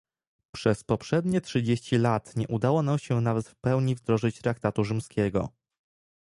Przez poprzednie trzydzieści lat nie udało nam się nawet w pełni wdrożyć traktatu rzymskiego